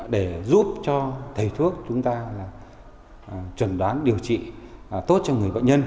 để giúp cho thầy thuốc chúng ta chuẩn đoán điều trị tốt cho người bệnh nhân